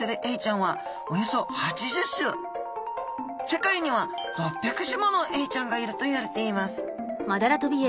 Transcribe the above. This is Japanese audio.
世界には６００種ものエイちゃんがいるといわれています